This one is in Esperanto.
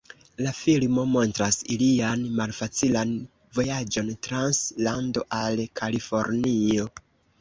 La filmo montras ilian malfacilan vojaĝon trans lando al Kalifornio.